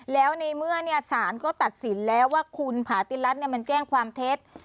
แล้วในเมื่อสารก็ตัดสินแล้วว่าคุณผาติรัฐมันแจ้งความเท็จ